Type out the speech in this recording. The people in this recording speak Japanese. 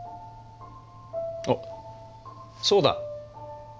おっそうだ！